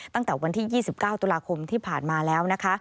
ตั้งแต่วันที่๒๙ตุลาคมที่ผ่านมาแล้วนะคะ